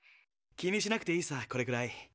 気にしなくていいさこれぐらい。